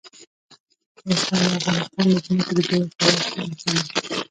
نورستان د افغانستان د ځمکې د جوړښت یوه ښه نښه ده.